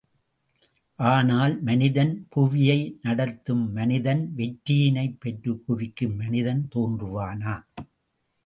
ஆனால், மனிதன் புவியை நடத்தும் மனிதன் வெற்றியினைப் பெற்றுக் குவிக்கும் மனிதன் தோன்றுவானா?